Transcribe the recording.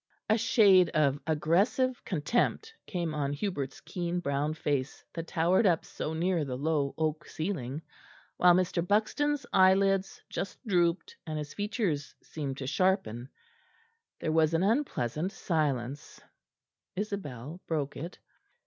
A shade of aggressive contempt came on Hubert's keen brown face that towered up so near the low oak ceiling; while Mr. Buxton's eyelids just drooped, and his features seemed to sharpen. There was an unpleasant silence: Isabel broke it.